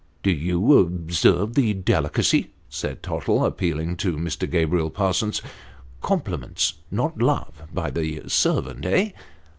"Do you observe the delicacy?" said Tottle, appealing to Mr. Gabriel Parsons. " Compliments not love, by the servant, eh